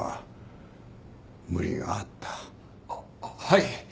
あっははい。